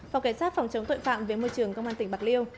phòng kiểm soát phòng chống tội phạm về môi trường công an tp bạc liêu